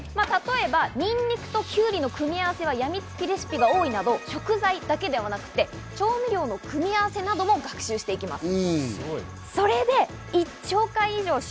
例えば、にんにくときゅうりの組み合わせは、やみつきレシピが多いなど食材だけでなく調味料の組み合わせなども学習します。